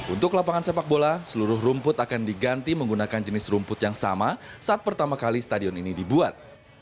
untuk lapangan sepak bola seluruh rumput akan diganti menggunakan jenis rumput yang sama saat pertama kali stadion ini dibuat